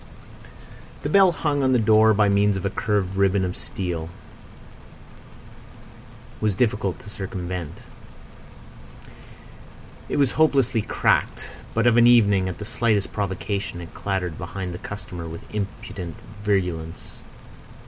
The bell, hung on the door by means of a curved ribbon of steel, was difficult to circumvent. It was hopelessly cracked; but of an evening, at the slightest provocation, it clattered behind the customer with impudent virulence.